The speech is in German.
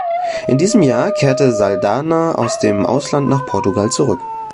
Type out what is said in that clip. In diesem Jahr kehrte Saldanha aus dem Ausland nach Portugal zurück.